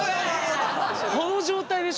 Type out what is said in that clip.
この状態でしょ？